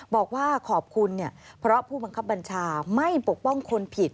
บอกว่าขอบคุณเพราะผู้บังคับบัญชาไม่ปกป้องคนผิด